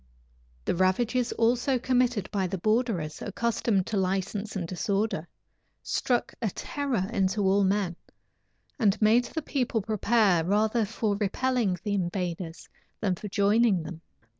The ravages also committed by the borderers, accustomed to license and disorder, struck a terror into all men, and made the people prepare rather for repelling the invaders than for joining them.